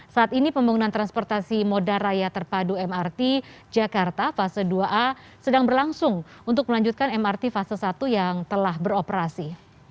saat ini pembangunan transportasi moda raya terpadu mrt jakarta fase dua a sedang berlangsung untuk melanjutkan mrt fase satu yang telah beroperasi